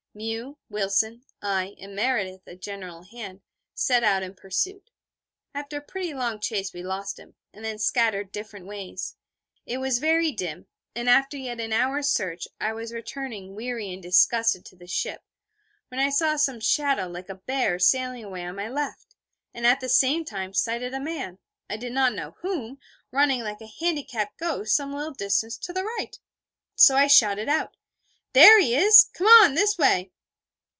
Mew, Wilson, I and Meredith (a general hand) set out in pursuit. After a pretty long chase we lost him, and then scattered different ways. It was very dim, and after yet an hour's search, I was returning weary and disgusted to the ship, when I saw some shadow like a bear sailing away on my left, and at the same time sighted a man I did not know whom running like a handicapped ghost some little distance to the right. So I shouted out: 'There he is come on! This way!'